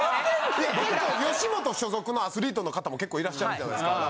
吉本所属のアスリートの方も結構いらっしゃるじゃないですか。